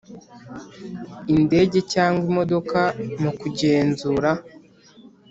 indege cyangwa imodoka mu kugenzura